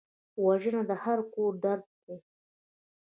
وژنه د هر کور درد دی